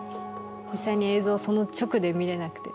実際に映像を直で見れなくて。